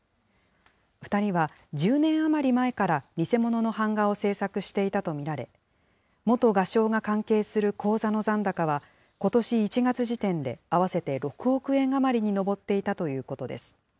２人は１０年余り前から偽物の版画を制作していたと見られ、元画商が関係する口座の残高は、ことし１月時点で合わせて６億円余りに上っていたということです。